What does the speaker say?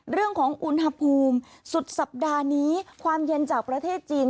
เรื่องของอุณหภูมิสุดสัปดาห์นี้ความเย็นจากประเทศจีน